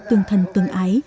tương thân tương ái